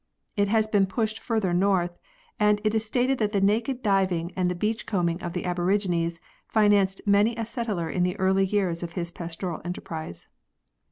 It has been pushed further north, and it is stated that the naked diving and the beach combing of the aborigines financed many a settler in the early years of his pastoral enterprise.